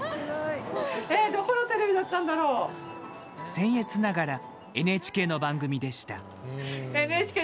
せんえつながらＮＨＫの番組でした。